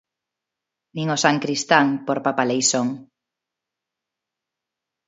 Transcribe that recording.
Nin o sancristán, por papaleisón.